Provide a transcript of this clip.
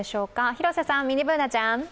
広瀬さん、ミニＢｏｏｎａちゃん。